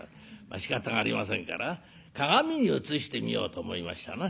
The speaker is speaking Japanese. しかたがありませんから鏡に映してみようと思いましたな。